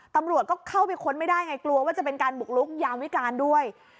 ตำรวจก็เข้าไปค้นไม่ได้ไงกลัวว่าจะเป็นการบุกลุกยามวิการด้วย